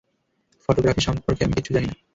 Photography সম্পর্কে আমি কিচ্ছু জানি না।